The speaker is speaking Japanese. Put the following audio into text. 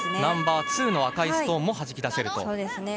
ナンバーツーの赤いストーンもはじき出せると。